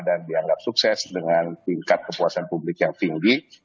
dan dianggap sukses dengan tingkat kepuasan publik yang tinggi